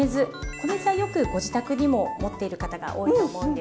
米酢はよくご自宅にも持っている方が多いと思うんですが。